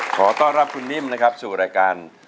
ขอต้อนรับคุณนิ่มนะครับสู่รายการ